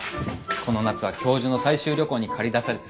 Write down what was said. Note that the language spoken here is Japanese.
この夏は教授の採集旅行に駆り出されてさ